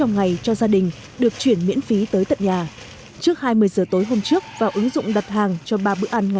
nên là tôi cũng tìm hiểu trên mạng thì thấy cái hình thức là đặt hàng thực phẩm online